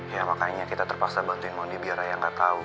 ya makanya kita terpaksa bantuin mondi biar raya gak tau